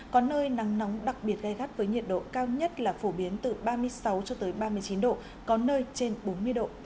có nơi nắng nóng đặc biệt gai gắt với nhiệt độ cao nhất là phổ biến từ ba mươi sáu cho tới ba mươi chín độ có nơi trên bốn mươi độ